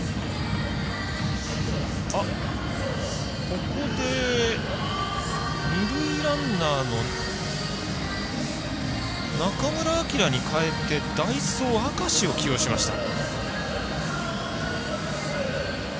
ここで二塁ランナーの中村晃に代えて代走、明石を起用しました。